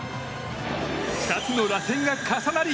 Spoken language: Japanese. ２つのらせんが重なり